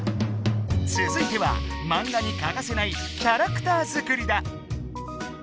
続いてはマンガにかかせない「キャラクター作り」だ！